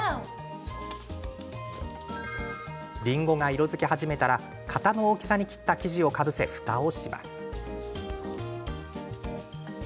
りんごが色づき始めたら型の大きさに切った生地をかぶせて、ふたをします。